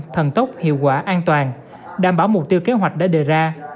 thần tốc hiệu quả an toàn đảm bảo mục tiêu kế hoạch đã đề ra